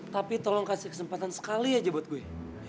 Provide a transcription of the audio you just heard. tapi tolong kasih kesempatan sekali aja buat gue